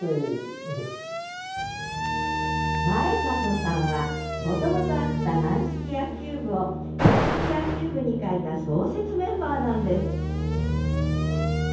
前里さんはもともとあった軟式野球部を硬式野球部に変えた創設メンバーなんです